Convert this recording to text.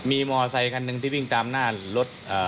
มีมอไซคันหนึ่งที่วิ่งตามหน้ารถ